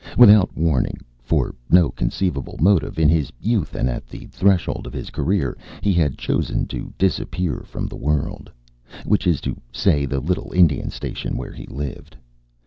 Without warning, for no conceivable motive, in his youth and at the threshold of his career he had chosen to disappear from the world which is to say, the little Indian station where he lived.